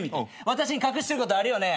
私に隠してることあるよね。